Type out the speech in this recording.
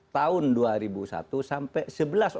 tahun dua ribu satu sampai